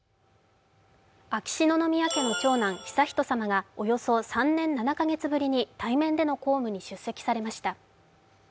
秋篠宮家の長男、悠仁さまがおよそ３年７カ月ぶりに対面での公務に出席されました。